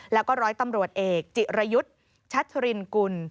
แล้วก็ร้อยตำรวจเอกจิรยุทธ์ชัชรินกุล